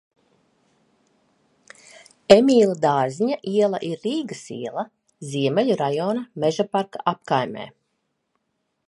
Emīla Dārziņa iela ir Rīgas iela, Ziemeļu rajona Mežaparka apkaimē.